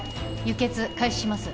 輸血開始します。